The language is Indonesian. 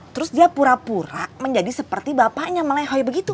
terus dia pura pura menjadi seperti bapaknya melehoi begitu